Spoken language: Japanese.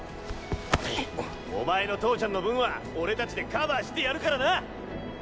お前の父ちゃんの分は俺達でカバーしてやるからな！